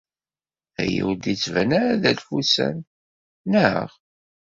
Aya ur d-yettban ara d alfusan, naɣ?